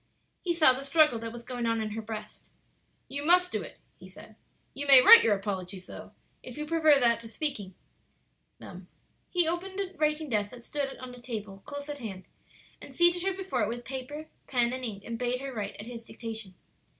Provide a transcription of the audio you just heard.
He saw the struggle that was going on in her breast. "You must do it," he said; "you may write your apologies, though, if you prefer that to speaking them." He opened a writing desk that stood on a table close at hand, and seated her before it with paper, pen, and ink, and bade her write, at his dictation.